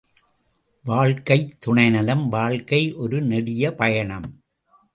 வாழ்க்கைத் துணை நலம் வாழ்க்கை ஒரு நெடிய பயணம்.